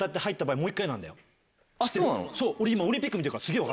そう俺今。